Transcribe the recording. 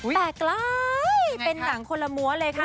แต่กลายเป็นหนังคนละม้วนเลยค่ะ